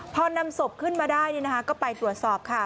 พอนำศพขึ้นมาได้ก็ไปตรวจสอบค่ะ